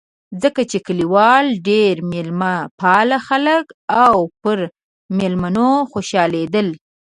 ځکه چې کلیوال ډېر مېلمه پال خلک و او پر مېلمنو خوشحالېدل.